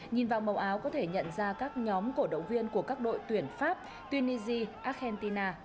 nhìn vào màu áo có thể nhận ra các nhóm cổ động viên của các đội tuyển pháp tunisia argentina